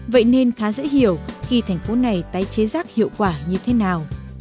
vậy nên khá dễ hiểu khi thành phố này tái chế rác hiệu quả như thế nào